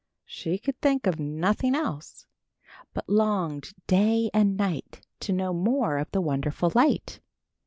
She could think of nothing else, but longed day and night to know more of the wonderful light.